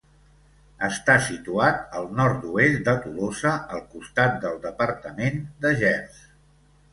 Està situat al nord-oest de Tolosa al costat del departament de Gers.